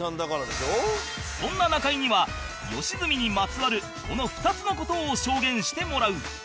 そんな中居には良純にまつわるこの２つの事を証言してもらう